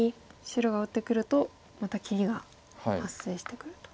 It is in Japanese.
白が打ってくるとまた切りが発生してくると。